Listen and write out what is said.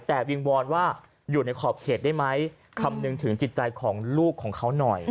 แต่วิงวอนว่าอยู่ในขอบเขตได้ไหมคำนึงถึงจิตใจของลูกของเขาหน่อย